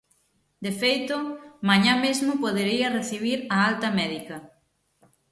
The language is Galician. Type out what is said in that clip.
De feito, mañá mesmo podería recibir a alta médica.